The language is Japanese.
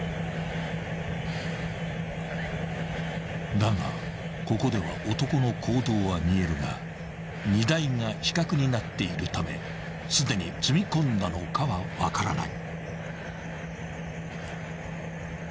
［だがここでは男の行動は見えるが荷台が死角になっているためすでに積み込んだのかは分からない］